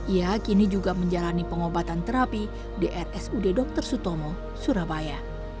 ia kini juga menjalani pengobatan terapi di rsud dr sutomo surabaya